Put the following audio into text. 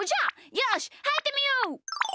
よしはいってみよう。